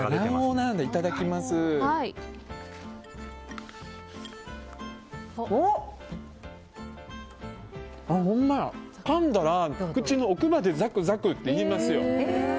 かんだら口の奥までザクザクっていいますよ。